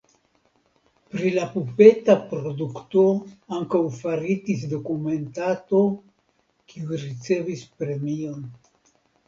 Pri la pupeta produkto ankaŭ faritis dokumentato kiu ricevis premion.